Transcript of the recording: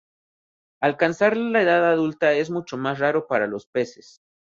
Alcanzar la edad adulta es mucho más raro para los peces.